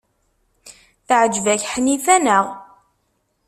Teɛjeb-ak Ḥnifa, naɣ?